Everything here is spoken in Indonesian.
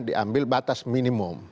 diambil batas minimum